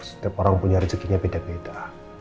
setiap orang punya rezekinya beda beda